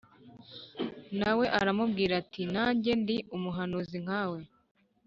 Na we aramubwira ati “Nanjye ndi umuhanuzi nkawe